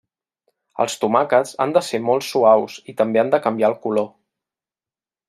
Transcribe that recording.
Els tomàquets han de ser molt suaus i també han de canviar el color.